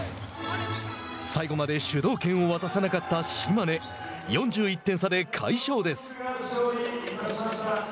最後まで主導権を渡さなかった島根４１点差で、快勝です。